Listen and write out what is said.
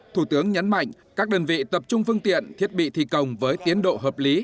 thủ tướng nhấn mạnh các đơn vị tập trung phương tiện thiết bị thi công với tiến độ hợp lý